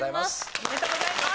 おめでとうございます。